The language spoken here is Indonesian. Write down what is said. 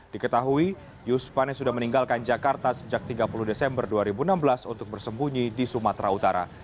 diketahui yus pane sudah meninggalkan jakarta sejak tiga puluh desember dua ribu enam belas untuk bersembunyi di sumatera utara